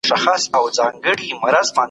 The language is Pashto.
د ژوند لومړنۍ شیبې د تکلیف او کړاو سره مل وي.